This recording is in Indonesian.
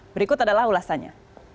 berikut adalah ulasannya